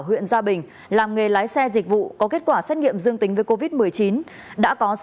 huyện gia bình làm nghề lái xe dịch vụ có kết quả xét nghiệm dương tính với covid một mươi chín đã có